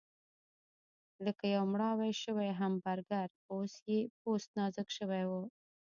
لکه یو مړاوی شوی همبرګر، اوس یې پوست نازک شوی و.